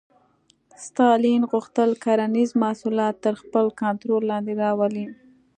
ستالین غوښتل کرنیز محصولات تر خپل کنټرول لاندې راولي.